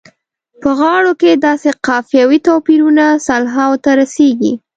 په غاړو کې داسې قافیوي توپیرونه سلهاوو ته رسیږي.